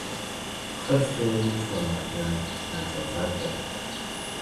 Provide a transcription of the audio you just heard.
— Hirsu xusumatni najosat bil.